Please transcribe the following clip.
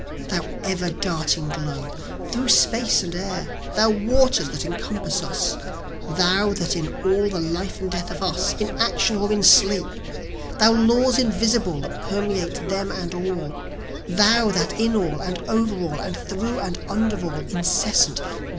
Thou ever darting Globe! through Space and Air! Thou waters that encompass us! Thou that in all the life and death of us, in action or in sleep! Thou laws invisible that permeate them and all, Thou that in all, and over all, and through and under all, incessant!